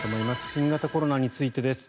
新型コロナについてです。